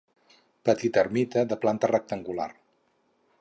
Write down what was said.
Petita ermita de planta rectangular.